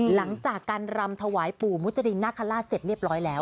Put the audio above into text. หลังจากการรำถวายปู่มุจรินนาคาราชเสร็จเรียบร้อยแล้ว